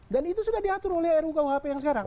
dan itu sudah diatur oleh ruk uhp yang sekarang